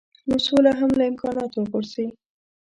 نو سوله هم له امکاناتو غورځي.